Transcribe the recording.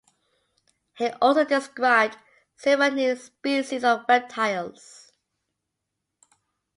He also described several new species of reptiles.